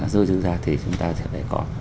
rồi dư ra thì chúng ta sẽ phải có